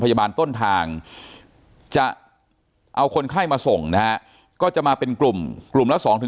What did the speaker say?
ต้นทางจะเอาคนไข้มาส่งนะฮะก็จะมาเป็นกลุ่มกลุ่มละ๒๕